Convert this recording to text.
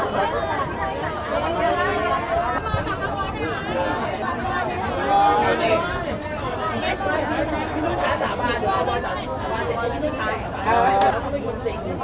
ตรงนี้ค่ะตรงนี้